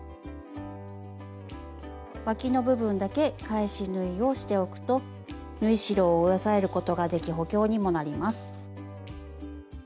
わきの部分だけ返し縫いをしておくと縫い代を押さえることができ補強にもなります。